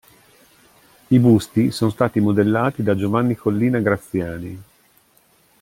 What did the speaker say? I busti sono stati modellati da Giovanni Collina Graziani.